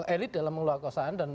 elit dalam mengeluarkan kosaan dan